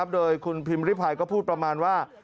โดยคุณพิมพ์ริพายก็พูดประมาณว่า